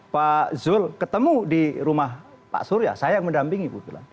pak zul ketemu di rumah pak surya saya yang mendampingi kebetulan